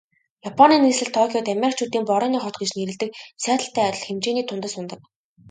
Японы нийслэл Токиод Америкчуудын Борооны хот гэж нэрлэдэг Сиэтллтэй адил хэмжээний тунадас унадаг.